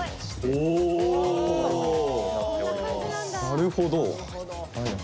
なるほど。